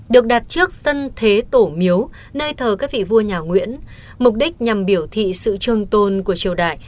được đặt trước sân thế tổ miếu nơi thờ các vị vua nhà nguyễn mục đích nhằm biểu thị sự trường tôn của triều đại